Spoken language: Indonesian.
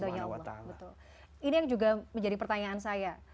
ini yang juga menjadi pertanyaan saya